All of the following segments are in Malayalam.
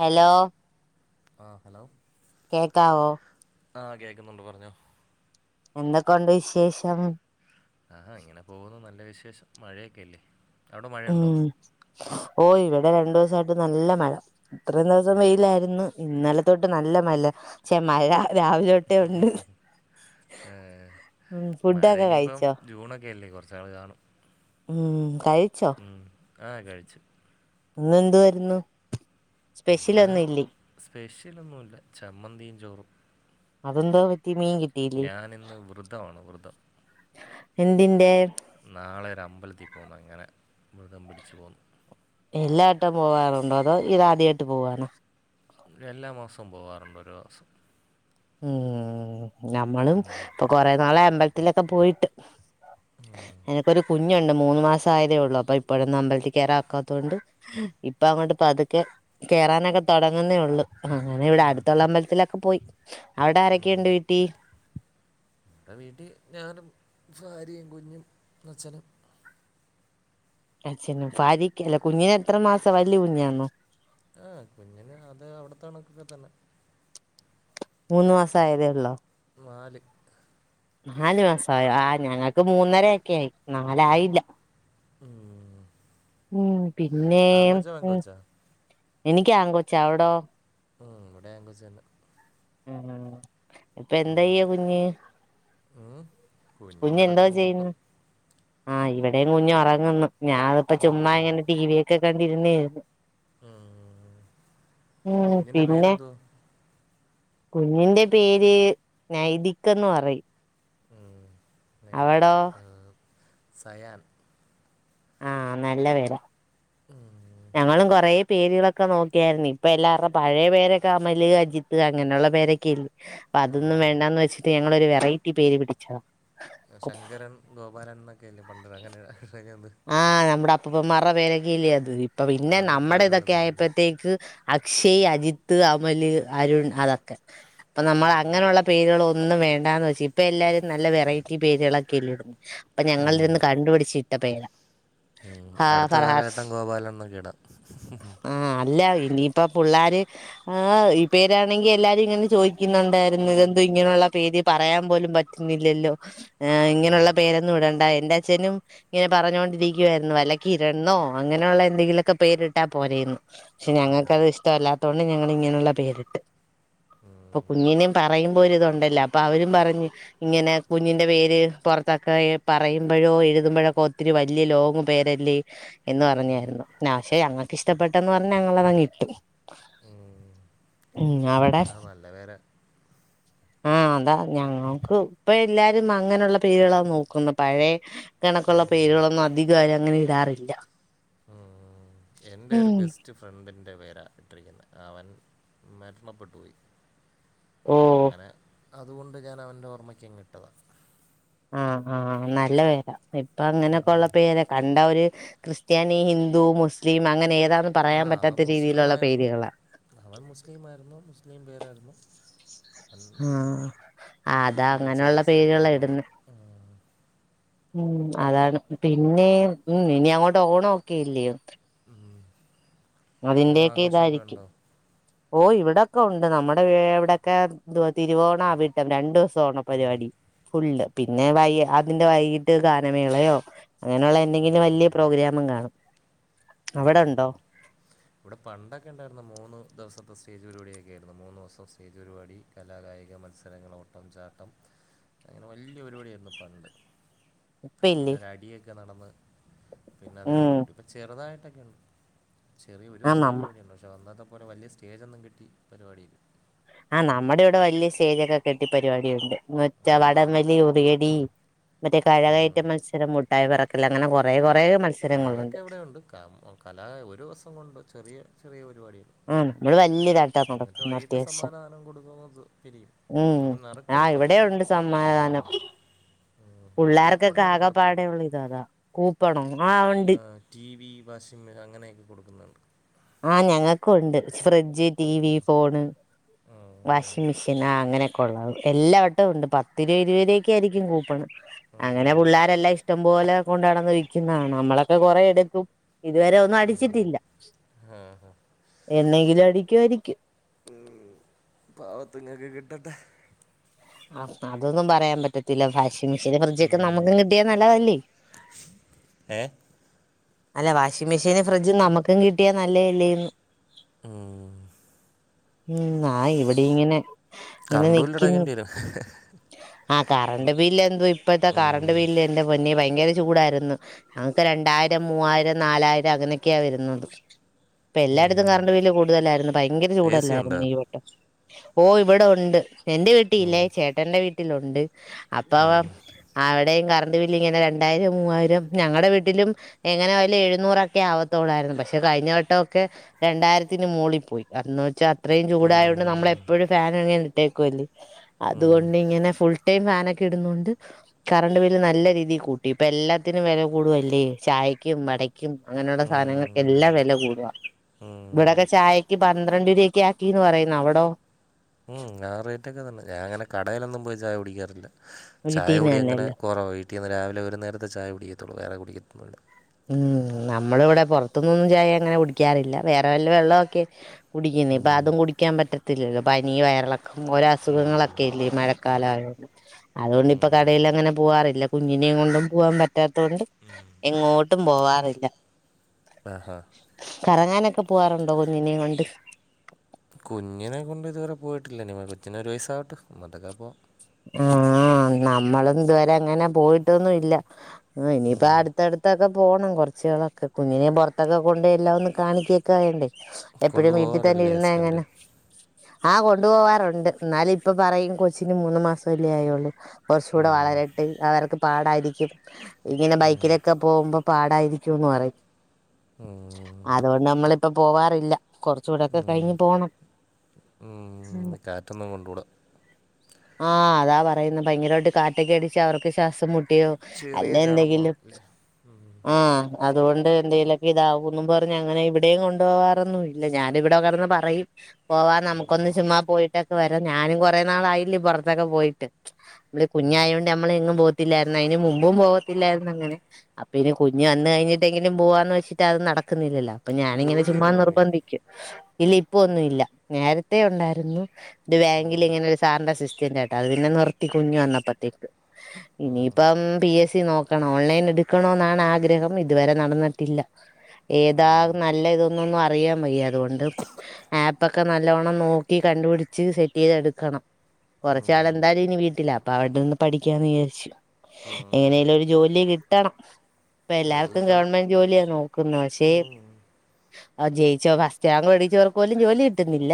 ഹലോ ആഹ ഹലോ കേക്കാവോ ആഹ കേക്കുന്നുണ്ട് പറഞ്ഞോ എന്തൊക്കെഉണ്ട് വിശേഷം ആ ഇങ്ങനെ പോകുന്നു നല്ല വിശേഷം മഴയൊക്കെല്ലേ ഉം ഒ ഇവടെ ടെ രണ്ടുസായ്ട്ട് ന്നല്ല മഴ ഇത്രേം ദിവസം ഉം. വെയ്ലാര്ന്ന് ഇന്നലെതൊട്ട് ന്നല്ല മല ച്ചെ മഴ രാവിലൊട്ടെ ഉണ്ട് ഏ ഉം മഴ ഫുഡൊക്കെ ഇനിയിപ്പം കഴിച്ചോ ജൂണൊക്കെ അല്ലേ കൊറച്ച്ന്നാള് കാണും ഉം കഴിച്ചോ ഉ ആ കഴിച്ചു ഇന്നെന്തു വായ്രുന്നു ഇന്ന് സ്പെഷ്യലൊന്നുല്ല ചമ്മന്തിയും ചോറും അതെന്താപ ഞാനിന്ന് വൃദ്ധവാണ് വൃദ്ധം എന്തിൻന്റെ നാളെൊ ഒരു അമ്പലത്തിൽ പോന്ന അങ്ങനെ മൃഗം പിടിച്ചു പോന്നു എല്ലാ ട്ടം പോവാറുണ്ടോ അതോ ഇത് ആദ്യായിട്ട് പോവാനോ എല്ലാ മാസവും പോകറുണ്ട് ഒരു മാസം ഉം നഞമ്മളും ഉം. ഇപ്പൊ കൊറെ നാള അമ്പലത്തിലൊക്കെ പോയിട്ട് ഉം. എനക്കൊരു കുഞ്ഞുണ്ട് മൂന്ന് മാസം ആയതേ ഉള്ളു അപ്പൊ ഇപ്പഴന്നും അമ്പലത്തി കയറ ആക്കാത്ത കൊണ്ട് ഇപ്പ അങ്ങോട്ട് ഇപ്പ അതൊക്കെ കയറാനൊക്കെ തുടങ്ങുന്നേ ഉള്ളൂ അങ്ങനെ ഇവിടെ അടുത്തുള്ള അമ്പലത്തിലൊക്കെ പോയി അവിടെ ആരൊക്കെയുണ്ട് വീട്ടി ആ വീട്ടിൽ ഞാനും ഭാരിയും കുഞ്ഞും അച്ഛനും അച്ഛ ഭക്ക് അല്ല കുഞ്ഞിന എത്ര മാസം വല്ിയ കുഞ്ഞാണോ ആഹ കുഞ്ഞന് അത് അവിടത്തെണക്കൊക്കെ തന്നെ മൂന്ന്ു മാസം ആയതേ ഉള്ളൂ നാല് നാാലു മാസയോ ആ ഞങ്ങൾക്ക് മൂന്നരയക്കെ ആയി നാലായില്ല ഉം ഉം പിന്നെ ആങ്കോച്ച ഉം പെങ്കോച്ച എനിക്കാ കൊച്ചാ അവിടോ ഉം ഇവിടെ കൊച്ച തന്നെ ഉ ഇപ്പൊ ഉം. എന്തയ്യ കുഞ്ഞ് കുഞ്ഞ കുഞ്ഞ് എന്തോ കിടക്കുന്ന ഉറക്കം ചെയ്യുന്നു ആഹ് ഇവിടെയും കുഞ്ഞു ഉറങ്ങുന്നു ഞാാന ഇപ്പോ ചുമ്മാ ഉം. ഇങ്ങനെ ടി വിൊക്കെ കണ്ടിരുന്നേരുന്നു ഉം. ഉ കുഞ്ഞിൻ്റെ പിന്നെ പേരെന്തോ കുഞ്ഞിന്റെ പേര് നൈതിക്ന്ന് പറയും ഉം അവിടോ വൈദക് ആ സയാൻ ആഹ നല്ല പേട ഉം. ഞങ്ങളും കൊറ പേരുകളൊക്കെ നോക്കിയാരരുന്നു ഇപ്പ എല്ലാവരുടെ പഴയ പേരൊക്കെ അമല് അജിത്ത് അങ്ങനെയുള്ള പേരൊക്കെയെല്ലേ അപ്പൊ അതൊന്നും ഉം. വേണ്ടാന്ന് വെച്ചിട്ട് ഞങ്ങളൊരു വെറൈറ്റി പേര് പിടിച്ചതാ ശങ്കരൻ ഗോപാലൻ എന്നൊക്കെല്ലേ പണ്ടര അങ്ങനെ ആഹ് നമ്മുടെ അപ്പപ്പന്മാരുടെ പേരൊക്കെല്ലേ അത് ഇപ്പ പിന്നെ അതൊന്നും ഇപ്പം നമ്മുടെ ആരും ഇതൊക്കെ ഇടത്തില്ലല്ലേ ആയപ്പോത്തേക്ക് അക്ഷയ് അജിത്ത് അമല് അരുൺ അതൊക്കെ അപ്പൊ നമ്മൾ അങ്ങനെയുള്ള പേരുകളോ ഒന്നും വേണ്ടാന്ന് വെച്ച ഇപ്പൊ എല്ലാരും നല്ല വെറൈറ്റി പേരുകളൊക്കെല്ല ഇടുന്നു അപ്പൊ ഞങ്ങള ഉം. ഇരുന്ന് കണ്ടുപിിച്ചട്ട് ഉം അടുത്ത ഫർഹാസ് കാലഘട്ടം ഗോപാലൻ എന്നൊക്കി ഇടാം ആഹ് അല്ല ഇനിയിപ്പ പിള്ളേർ് ഈ പേരാണെങ്കി എല്ലാരും ഇങ്ങനെ ചോദിക്കുന്നുണ്ടായിരുന്നു ഇതെ ഇങ്ങനെയുള്ള പേര് പറയാൻ പോലും പറ്റുന്നില്ലല്ലോ ആ് ഇങ്ങനെയുള്ള പേരൊന്നും വിടണ്ട എന്റെ അച്ഛനും ഇങ്ങനെ പറഞ്ഞുകൊണ്ടിരിക്കുവായിരുന്നു വലയ്ക്ക ഇരുന്നോ അങ്ങനെയുള്ള എന്തെങ്കിലുമൊക്കെ പേരിട്ടാൽ പോനെയരുന്നു പക്ഷെ ഉം. ഞങ്ങൾക്കത് ഇഷ്ടമല്ലാത്ത കൊണ്ട് ഞങ്ങിങ്ങനെയുള്ള പേരിട്ട് അപ്പൊ ഉം. കുഞ്ഞിനും പറയുമ്പ പോോലും ഇതുണ്ടല്ല അപ്പൊ അവരും പറഞ്ഞു ഇങ്ങനെ കുഞ്ഞിന്റെ പേര് പുറത്തൊക്കെ പറയുമ്പ ഴ എഴുത്പഴ ഇത്തിരി വലിയ ലോങ്ങ് പേരല്ലേ എന്ന് ഉം, പറഞ്ഞായിരുന്നുാക്ഷെ ഞങ്ങൾക്ക് ഇഷ്ടപ്പെട്ടെന്ന് പറഞ്ഞഞ് ഞങ്ങൾതങ്ങി ഉ അവിടെ അ നല്ലവേരെ ആഹ അതാ ഞങ്ങക്ക് ഇപ്പ എല്ലാരും അങ്ങനെയുള്ള പേരുകളാ നോക്കുന്നത് പഴയ കണക്കുള്ള ഉം, പേരുകളൊന്നും അധികാര അങ്ങനെ ഇടാറില്ല എൻന്റെറെ ഒരു ഉം ബെസ്റ്റ് ഫ്രണ്ടി്റെ പേര ഇട്ടിരിക്കുന്നത് അവൻ മരണപ്പെട്ടുപോയി ഓ അതുകൊണ്ട് ഞാൻ അവൻ്റെ ഓർമ്മയ്ക്കും കിട്ടതാണ് ആഹ ആഹ് നല്ല പേരാ ഇപ്പൊ അങ്ങനെയൊക്കെ ഉം. ഉള്ള പേര് കണ്ട ഒരുര് ക്രിസ്ത്യാനി ഹിന്ദു മുസ്ലിം അങ്ങനെ ഏതാന്ന് പറയാൻ ആഹ അവൻ പറ്റാത്ത മുസ്ലിം രീതിയിലുള്ള ആയിരുന്നു പേരുകളാ അവൻ മുസ്ലിംമായിരുന്നു മുസ്ലിം പേരായിരുന്നു അവൻ ആഹ അതാ ഗൾഫിൽ വെച്ച് അങ്ങനെയുള്ള ആക്സിഡൻറ്റ് പേരുക ഇടന്ന് മരണപ്പെട്ടു ഉം. ഉം അതാണ് പിന്നെ ഉ ഇനി അങ്ങോട്ട് ഓണം ഒക്കെ ഇല്ലോ ഉം. ഓണം അതിന്റെയൊക്കെ ആഘോഷമൊക്കെ ഇതായിരിക്കും ഉണ്ടോ ഓ ഇവിടെൊക്കെ ഉണ്ട് നമ്മുടെ ഇവിടെൊക്കെ തിരുവോണം അവിട്ടം രണ്ടു ദിവസം ഓണ ഉം. പരിപാടി ഫുള്ള് പിന്നെ വൈ അതിന്റെ വൈകീട്ട് ഗാനമേളയോ അങ്ങനെയുള്ള എന്തെങ്കിലും വലിയ ആ. പ്രോഗ്രാമും കാണും അവിടെ ഉണ്ടോ ആഹ്. ഇവിടെ പണ്ടൊക്കെ ഉണ്ടായിുന്ന മൂന്ന് ദിവസത്തെ സ്റ്റേജ് പപാടിയൊക്കെ ആയിരുന്നു മൂന്ന്ു ദിവസം സ്റ്റേജ് പരിപാടി കലാകാ കായിക മത്സരങ്ങള ഓട്ടം ചാട്ടം അങ്ങനെ വലിയ പരിപാടിന്ന്ിപ്പണ്ട് ഇപ്പ ഇല്ലേ പിന്നെരടിയൊക്കെ നടന്ന് പിന്നെ അതൊക്കെ ഉം പൊട്ടി ഇപ്പൊ ചെറുതായിട്ടൊക്കെ ഉണ്ട് ചെറിയ ഒരു ആ ദിവസത്തെ നമ്മ പരിപാടിയുണ്ട് പക്ഷേ വന്നാത്തെ പോലെ വലിയ സ്റ്റേജ്ൊന്നും കിട്ടി പരിപാടിയില്ല ആ നമ്മുടെ ഇവിടെ വലിയ സ്റ്റേജൊക്കെ കെട്ടി പരിപാടി ഉണ്ട് മറ്റ ഉം. വടംവലി ഉറുകടി മറ്റേ കാലകയറ്റ ഉം. മത്സരം മുട്ടായി പറ ആ അതൊക്കെ എവിടെുണ്ട് കല ഒരു ദിവസം കൊണ്ട് ചെറിയ ചെറിയ പാ ആ നമ്മള് വല്യതായിട്ടാ എന്നിട്ട് നടക്കുന്നത് വൈകിട്ട് അത്യാവശ്യം സമ്മാനദാനം കൊടുക്കും പിരിയും ഉം അങ്ങനെ ആ നറുക്കെടുപ്പൊക്കെ ഇവിടെ കാണും ഉണ്ട് സമ്മാനധാനം ഉം. കൂപ്പൺ പിള്ളേർക്കക്കോ ആക പാടെ നറുക്കെടുപ്പുണ്ട് ഉള്ള ഇതാ അതാ കു ടി വി വാഷിംഗ് മെഷീൻ അങ്ങനെയൊക്കെ കൊടുക്കുന്നുണ്ട് ണ്ട് ഫ്രിഡ്ജ് ടി വി ഉം. ഫോൺ ഉം. വാഷിംഗ മെഷീൻ ആ അങ്ങനെ കൊള്ള എല്ലാ വട്ടവും ഉണ്ട് പത്ത് രൂപ ഇരുപത് രൂപക്ക ആയിരിക്കും കൂപ്പണം അങ്ങനെ ഉം. പിള്ളേരെല്ലാം ഇഷ്ടം പോോലെ കൊണ്ടാടന്ന് വിൽക്കുന്നതാണ് നമ്മളൊക്കെ കൊറെേ എടുക്കും ഇതുവരെ ഒന്നും ഉം. അടിച്ചിട്ടില്ല ആ, ആ. എന്നെങ്കിലും അടിക്കുമായിരിക്കും ഉം പാവത്ത്ങ്ങക്ക് കിട്ടട്ടെ അതൊന്നും പറയാൻ പറ്റത്തില്ല ഭാഷ മിഷീനും ഫ്രിഡ്ജ ഒക്കെ ഉം. നമുക്ക് കിട്ടിയാ നല്ലതല്ലേ ഏ അല്ല വാഷിംഗ് മെഷീനും ഫ്രിഡ്ജും നമുക്കും കിട്ടിയാ നല്ലേല്ലേന്ന്? ഉം ഉം ആ ഇവിടി ഇങ്ങനെ ഇങ്ങനെ കറണ്ട് ബി നിക്കുന്നു ല്ലടെക്കേണ്ടിവരും കറണ്ട് ബില്ല് എന്തോ പ്പഴത്തെ കറണ്ട് ബില്ല് എന്റെ പിന്നെ ഭയങ്കര ചൂടായിരുന്നു ഞങ്ങൾക്ക് രണ്ടായിരം മൂവായിരം നാലായിരം അങ്ങനെയൊക്കെയാ വരുന്നത്. ഇപ്പൊ എല്ലായിടത്തും കറണ്ട് വില്ല് കൂടുതലായിരുന്നു ഭയങ്കര എ സി ഉണ്ടോ ചൂടല്ലായിരുന്നു ഈ വട്ടം. ഓ ഇവിടെ ഉണ്ട് എന്റെ ഉം. വീട്ടില്ലേ ചേട്ടന്റെ വീട്ടിലുണ്ട് അപ്പ അവ ഉം. അവി ടെയും കറണ്ട് ബില്ല് ഇങ്ങനെ രണ്ടായിരം മൂവായിരം ഞങ്ങ ടെ വീട്ടിലും ഇങ്ങനെ വല്ല എഴുന്നൂറൊക്കെ ആവത്തുള്ളായിരുന്നു. പക്ഷെ കഴിഞ്ഞവട്ടക്കെ രണ്ടായിരത്തിന് മുകളിൽ പോയി അ അത്രയും ചൂടായൊണ്ട് ഉം. നമ്മളെപ്പോഴും ഫാനങ് ട്ടേക്കുവല്ലേ ഉം. ഉം. അതുകൊണ്ട്. ഇങ്ങനെ ഫുൾ ഇവടേയും ഫാനൊക്കെ ഇടുന്നുണ്ട് കറണ്ട് ബില് നല്ല രീതിയിൽ കൂട്ടി ഇപ്പ എല്ലാത്തിനും വില കൂടുവല്ലേ. കൈക്കും മടക്ക ക്യും അങ്ങനെയുള്ള സാധനങ്ങൾകെല്ലാം ഉം. വില കൂട ഉം. ഇവിടൊക്കെ ചായക്ക് പന്ത്രണ്ട്രിരി പി കീന്ന് പറയുന്ന അവിടോ? ഉം ആ റേറ്റൊക്കെ തന്നെ ഞാൻ ങ്ങനെ കടയിലൊന്നും പോയി ചായ കുടിക്കാറില്ല. ചായ വീട്ടീന്ന് കുടി തന്നെയല്ലേ അങ്ങനെ കുറവ വീട്ടിൽന്ന് രാവിലെ ഒരു നേരത്തെ ചായ കുടിക്കത്തുള്ളൂ വേറെ കുടിക്കതോന്നൂല. ഉം നമ്മള ഇവിടെ പുറത്തുന്നൊന്നും ചായ അങ്ങനെ കുടിക്കാറില്ല വേറെ വല്ല വെള്ളമൊക്കെ കുടിക്കുന്നു ഇപ്പൊ ഉം. അതും കുടിക്കാൻ പറ്റത്തില്ലല്ലോ പനി വയറിളൊക്കും ഓരോ അസുഖങ്ങളൊക്കെ ഉം. ല്ലേ മഴ കാലായൊണ്ട് അതോണ്ട് പ്പൊ ഉം. കടയിൽ അങ്ങനെ പോകവാാറില്ല കുഞ്ഞിനെയും കൊണ്ടും പോകാൻ പറ്റ പറ്റാത്തൊണ്ട് എങ്ങോട്ടും പോവാറില്ല. ആഹാ കറങ്ങാനൊക്കെ പോവാറുണ്ടോ കുഞ്ഞിനേം കൊണ്ട്? കുഞ്ഞിനെ കൊണ്ട് ഇതുവരെ പോയിട്ടില്ല കൊച്ചിൻ ഒരു വയസ്സാവട്ടെ ന്നിട്ടകെ പോക. ആ നമ്മള ഇതുവരെ അങ്ങനെ പോയിട്ടൊന്നുംല്ല ആ ഇനിയിപ്പ ഉം. അടുത്തടുത്തൊക്കെ പോണം കൊറച്ചുകളൊക്കെ കുഞ്ഞിനെ പുറത്തൊക്കെ കൊണ്ട് എല്ലാം ഒന്ന് കാണിക്കക്ക വേണ്ടേ എപ്പഴും വീട്ടിൽ തന്നെ കൊണ്ടുപോവാറില്ലേ ഇരുന്ന ഹസ്ബൻഡ്? എങ്ങനെ? ആ കൊണ്ടു പോവാറുണ്ട് എന്നാല ഇപ്പൊ പറയും കൊച്ചിന് മൂന്ന മാസമല്ലേ ആയള്ളു കുറച്ച കൂടെ ഉം. വളരട്ട് അവർക്ക് പാടായിരിക്കും ഇങ്ങനെ ഉം. ബൈക്കിലൊക്കെ പോകുമ്പം പാടായിരിക്കുംന്ന് പറയും. ഉം ഇപ്പൊ പോവാറില്ല കുറച്ചുകൂടെക്കെ ഉം കഴിഞ്ഞ് പോണം ഉം കാറ്റൊന്നും കൊണ്ടൂട. ആ അതാ പറയുന്ന ഭയങ്കരമായിട്ട് കാറ്റൊക്കെ അടിച്ച് അവർക്ക് ശ്വാസം മു ട്ടോ അല്ല ചെറിയ എന്തെങ്കിലും ചർമ്മമല്ലേ? ഉം. ആ അതുകൊണ്ട് എന്തെേലൊക്കെ ഇതാവും പറഞ്ഞഞ് അങ്ങനെ ഇവിടെയും കൊണ്ടുപോകറന്നും ഇല്ല ഞാൻ ഇവിടെകെടന്ന് പറയും. പോവാൻ നമുക്കൊന്ന് ചുമ്മാ പോയിട്ടൊക്കെ വരാം ഞാനും കുറെ നാളായില്ലേ പുറ തൊക്കെ പോയിട്ട് നമ്മ ഉം. കുഞ്ഞായോണ്ട് നമ്മൾ പോ ല്ലായിരുന്നു അതിന് മുമ്പും പോകത്തില്ലായിരുന്നു അങ്ങനെ അപ്പൊ ഇനി കുഞ്ഞുവന്ന് കഴിഞ്ഞിട്ടെങ്കിലും പോവാന്ന് വെച്ചിട്ട് അത് നട ന്നില്ലല്ലോ അപ്പൊ ഞാനിങ്ങനെ ചുമ്മാ ജോലിയൊന്നുമില്ലേ? നിർബന്ധിക്കും. ഇല്ല ഇപ്പൊ ഒന്നുല്ല നേരത്ത ഉണ്ടായിരുന്നു ഇത് ബാങ്കിൽ ഉം. ഇങ്ങനെ ഒരു സാറിന്റെ സിസ് ആയിട്ട് അത് പിന്നെ നിർത്തി കുഞ്ഞു വന്നപ്പത്തേക്ക് ഉം ഇനിയിപ്പം പി എസ് സി നോക്ക ഓൺലൈൻ എടുക്കണോ ന്നാണ് ആഗ്രഹം ഇതുവരെ നടന്നിട്ടില്ല. ഏതാ ഉം നല്ല ഇതൊന്നൊന്നു ആ അറിയാൻ വയ്യ അതൊണ്ട് ആപ്പൊക്കെ നല്ലോണം നോക്കി കണ്ടുപിടിച്ച് സെറ്റ് ചെയ്ത് എടുക്കണം. കുറച്ചാൾ ഉം ന്തായാലും ഇനി വീട്ടില അപ്പൊ അവിടെ നിന്ന് പഠിക്കാന്ന് വിചാരിച്ചു ഉം എങ്ങനെലും ഒരു ജോലിയ കിട്ട കിട്ടണം ഇപ്പ ജോലി എല്ലാർക്കും കിട്ടണം ഗവൺമെന്റ് ജോലിയാ നോക്കുന്ന പക്ഷേ. ഉം ആ ജയിച്ചോ ഫസ്റ്റ് റാങ്ക് മേടിച്ചവർക്ക് പോലും ജോലി കിട്ടുന്നില്ല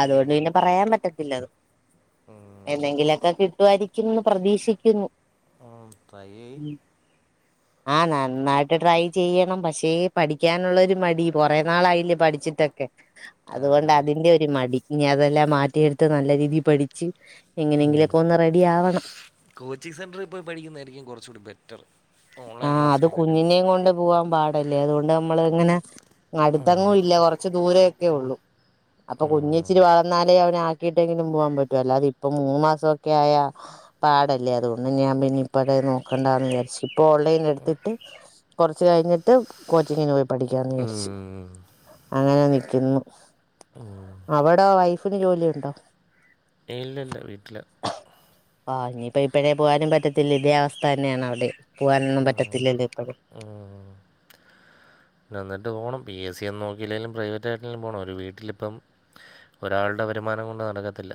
അതുകൊണ്ട് ഉം പിന്നെ പറയാൻ പറ്റത്തില്ല. ഉം എന്നെങ്കിലൊക്കെ കിട്ടുവായിരിക്കുന്ന് പ്രതീക്ഷിക്കുന്നു ഉം ട്രൈ ചെയ് ആ നന്നായിട്ട് ട്രൈ ചെയ്യണം പക്ഷേ ഈ പഠിക്കാനുള്ളോരു മടി കുറെേ നാളായില്ലേ പഠിച്ചിട്ടൊക്കെ അതുകൊണ്ട് ആഹ് അതിന്റെ ഒരു മടി ഇനി അതെല്ലാം മാറ്റിയെടുത്ത് നല്ല രീതി പഠിച്ച് ഉം എങ്ങനെങ്കിലൊക്കെ ഒന്ന് റെഡി ആവണം കോച്ചിങ് സെന്റർ പോയി പഠിക്കുന്നായിരിക്കും കുറച്ചുടി ബെറ്റർ ആ ഓൺലൈൻ അത് ക്ലാസ്സിനെക്കാട്ടിലും കുഞ്ഞിനെയും കൊണ്ട് പോവാൻ പാടല്ലേ അതുകൊണ്ട് നമ്മൾ ഇങ്ങനെ ഉം അടുത്തേങ്ങും ഇല്ല കുറച്ച് ദൂരേ ഒക്കെ ഉള്ളു അപ്പൊ ഉം കുഞ്ഞിച്ചിരി വളർന്നാലേ അവനെ അ ക്കിട്ടെങ്കിലും പോകാൻ പറ്റു അല്ലാതെ ഇപ്പോ മൂന്ന് മാസോക്കെ ആയ പാടല്ലേ അതുകൊണ്ട് ഞാൻ പിന്നെ ഇപ്പഴേ നോക്കണ്ടാന്ന് വിചാരിച് ഇപ്പോ ഓൺലൈൻ എടുത്തിട്ട് കുറച്ച് കഴിഞ്ഞിട്ട് കോച്ചിങ്ങിന് പോയി പഠിക്കാന്ന് വിചാരിച്ച് ഉം അങ്ങനെ നിക്കുന്നു അവിടോ വൈ ഫിന് ജോലിയുണ്ടോ ഏയ്‌ ഇല്ലില്ല വീട്ടില ആ ഇനിയിപ്പോ ഇപ്പഴേ പോവാനും പറ്റത്തില്ല ഇതേ അവസ്ഥ തന്നെയാണ് അവിടേം ഉം ഉം വന്നട്ട് പോണം പി എസ് സി നോക്കിയില്ലെലും പ്രൈവറ്റ് ആയിട്ടെങ്കിലും പോണം ഒരു വീട്ടിലിപ്പം ഒരാളുടെ വരുമാനം കൊണ്ട് നടക്കത്തില്ല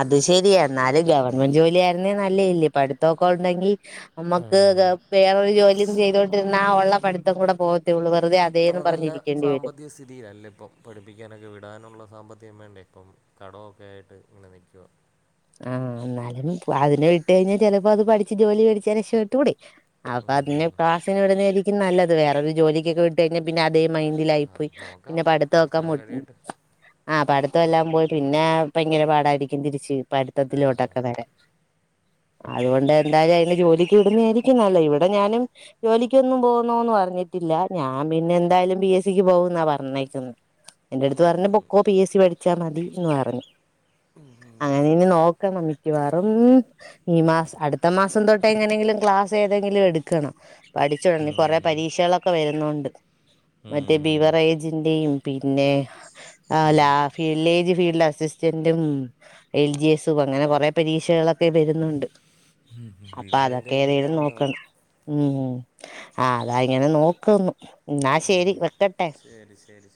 അത് ശരിയ എന്നാല് ഗവൺമെന്റ് ജോലി ആയിരുന്നേ നല്ലേ അല്ലേ പഠിത്തൊക്കെ ഉണ്ടെങ്കിൽ നമ്മുക്ക് ഉം വേറൊരു ജോലിയും ചെയ്തൊണ്ടിരുന്ന ആഉള്ള പഠിത്തോം കൂടെ പോ അത്ര നല്ല സാമ്പത്തിക സ്ഥിതിയല്ല ഇപ്പൊ പഠിപ്പിക്കാനൊക്കെ വിടാനുള്ള സാമ്പത്തികം വേണ്ടേ ഇപ്പം കടവൊക്കെ ആയിട്ട് ഇങ്ങനെ നിക്കുവാ ആ എന്നാലും അതിനെ വിട്ട് കഴിഞ്ഞ ചിലപ്പോ അത് പഠിച്ച് ജോലി വേടിച്ച രക്ഷവെട്ടൂടെ അപ്പ അതിനെ ക്ലാസിന് വിടുന്നയിരിക്കും നല്ലത് വേറൊരു ജോലിക്കൊക്കെ വിട്ട് കഴിഞ്ഞാ പിന്നെ അതെ മൈൻഡിൽ ആയി പോയി ആ നോക്കാം പിന്നെ കുറച്ച് പഠിത്തൊക്കെ നാൾ മു കഴിയട്ടെ ആ പടു ത്തൊ എല്ലാം പോയി പിന്നെ ഭയങ്കര പാടായിരിക്കും തിരിച്ചു ആ, പടുത്തത്തിലൊട്ടൊക്കെ വരാൻ അതുകൊണ്ട് എന്തായാലും അയിനെ ജോലിക്ക് വിടുന്നയായിരിക്കും നല്ലേ ഇവിടെ ഞാനും ജോലിക്കൊന്നും പോകുന്നോന്ന് പറഞ്ഞി ട്ടില്ല ഞാൻ പിന്നെ എന്തായാലും പി എസ് സിക്ക് പോകുന്നാ പറഞ്ഞേക്കുന്ന എന്റെ അടുത്ത് പറഞ്ഞ് ഉം. പോക്കോ പി എസ് സി പഠിച്ചാൽ മതി എന്ന് പറഞ്ഞു ഉം ഉം ഞാനിനി നോക്കണം മിക്കവാറും ഈ മാസം അടുത്ത മാസം തൊട്ട് എങ്ങനെങ്കിലും ക്ലാസ് ഏതെങ്കി ലും എടുക്കണം പഠിച്ചു തുടങ്ങി ഉം. കുറെേ പരീക്ഷകളൊക്കെ വരുന്നുണ്ട് മറ്റേ ഉം. ബിവറേജിന്റെയും പിന്നെ ആഹ് ഉം. ലാ വില്ലേജ് ഫീൽഡ് അസിസ്റ്റന്റും എൽ ജി എസും അങ്ങനെ കുറെ പരീക്ഷകളൊക്കെ വരുന്നുണ്ട് ഉം അപ്പൊ ബിവറേജ് അതൊക്കെ ഒക്കെ കിട്ടിയ ഏതേലും നല്ലത നോക്കണം ഉം ആഹ് അതാ ഇങ്ങനെ നോക്കുന്നു എന്നാ ശരി വെക്കട്ടെ ശരി ശരി